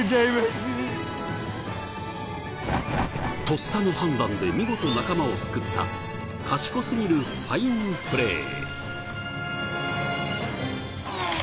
とっさの判断で見事仲間を救った賢すぎるファインプレー。